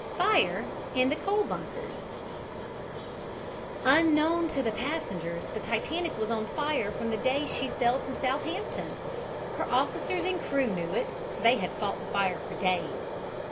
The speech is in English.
FIRE IN THE COAL BUNKERS Unknown to the passengers, the Titanic was on fire from the day she sailed from Southampton. Her officers and crew knew it, for they had fought the fire for days.